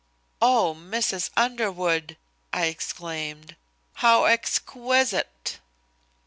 "Oh, Mrs. Underwood," I exclaimed. "How exquisite."